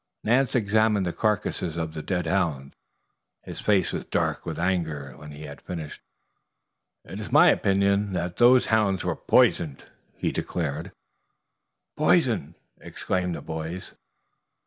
Nance examined the carcasses of the dead hounds. His face was dark with anger when he had finished. "It's my opinion that those hounds were poisoned," he declared. "Poisoned!" exclaimed the boys.